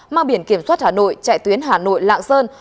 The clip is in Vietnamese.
mang biển kiểm soát hà nội chạy tuyến hà nội lạng sơn